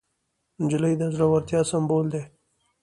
نجلۍ د زړورتیا سمبول ده.